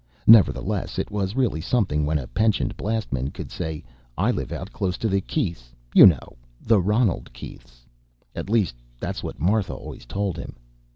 Nevertheless, it was really something when a pensioned blastman could say, "I live out close to the Keiths you know, the Ronald Keiths." At least, that's what Martha always told him.